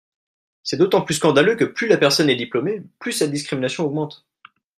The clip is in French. C’est d’autant plus scandaleux que plus la personne est diplômée, plus cette discrimination augmente.